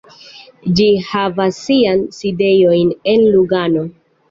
Ĝi havas sian sidejon en Lugano.